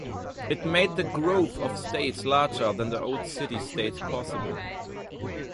It made the growth of states larger than the old city states possible.